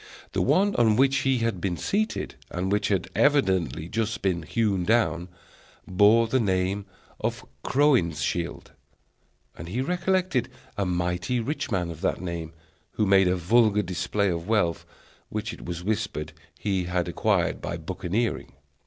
The one on which he had been seated, and which had evidently just been hewn down, bore the name of Crowninshield; and he recollected a mighty rich man of that name, who made a vulgar display of wealth, which it was whispered he had acquired by buccaneering.